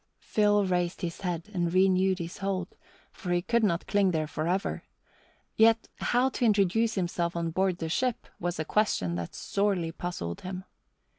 Phil raised his head and renewed his hold, for he could not cling there forever; yet how to introduce himself on board the ship was a question that sorely puzzled him.